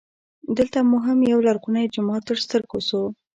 دلته مو هم یولرغونی جومات تر ستر ګو سو.